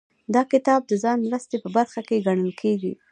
دا کتاب د ځان مرستې په برخه کې ګڼل کیږي.